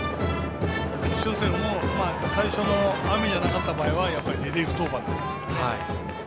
決勝戦も最初、雨がなかった場合はリリーフ登板でしたからね。